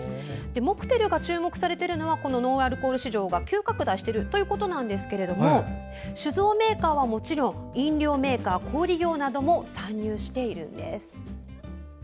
モクテルが注目されているのがノンアルコール市場が急拡大しているということですが酒造メーカーはもちろん飲料メーカー、小売業も参入しているんです。